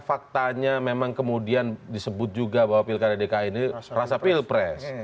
faktanya memang kemudian disebut juga bahwa pilkada dki ini rasa pilpres